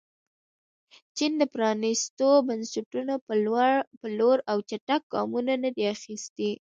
چین د پرانیستو بنسټونو په لور اوچت ګامونه نه دي اخیستي.